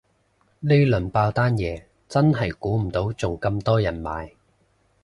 呢輪爆單嘢真係估唔到仲咁多人買